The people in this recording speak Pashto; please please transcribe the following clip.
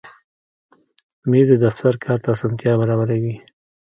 مېز د دفتر کار ته اسانتیا برابروي.